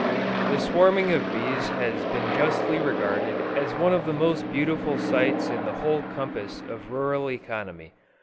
The swarming of bees has been justly regarded as one of the most beautiful sights in the whole compass of rural economy.